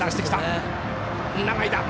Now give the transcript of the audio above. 永井だ。